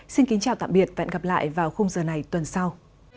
xin kính chào tạm biệt và hẹn gặp lại vào khung giờ này tuần sau